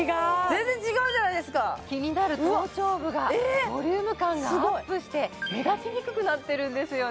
全然違うじゃないですか気になる頭頂部がボリューム感がアップして目立ちにくくなってるんですよね